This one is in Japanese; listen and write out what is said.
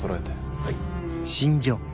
はい。